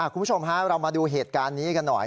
คุณผู้ชมฮะเรามาดูเหตุการณ์นี้กันหน่อย